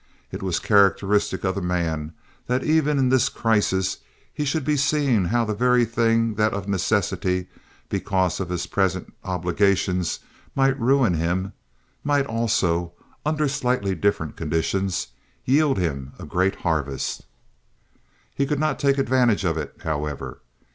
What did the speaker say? It was characteristic of the man that even in this crisis he should be seeing how the very thing that of necessity, because of his present obligations, might ruin him, might also, under slightly different conditions, yield him a great harvest. He could not take advantage of it, however.